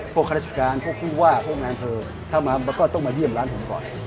ข้าราชการพวกผู้ว่าพวกนายอำเภอถ้ามาก็ต้องมาเยี่ยมร้านผมก่อน